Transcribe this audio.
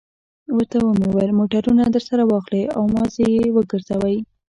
ورته مې وویل: موټرونه درسره واخلئ او مازې یې وګرځوئ.